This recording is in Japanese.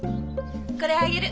これあげる。